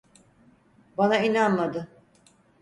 Bana inanmadı.